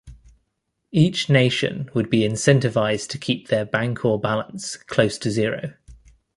Each nation would be incentivized to keep their bancor balance close to zero.